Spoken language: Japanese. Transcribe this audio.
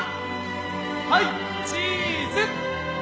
「はいチーズ！」